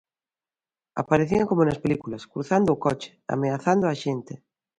Aparecían como nas películas, cruzando o coche, ameazando a xente.